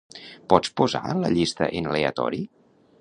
Pots posar la llista en aleatori?